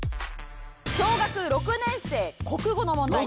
小学６年生国語の問題です。